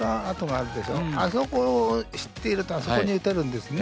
あそこを知っているとあそこに打てるんですね。